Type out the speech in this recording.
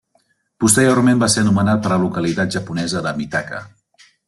Posteriorment va ser anomenat per la localitat japonesa de Mitaka.